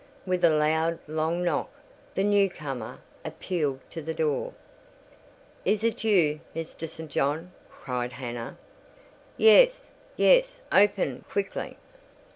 With a loud long knock, the new comer appealed to the door. "Is it you, Mr. St. John?" cried Hannah. "Yes—yes; open quickly."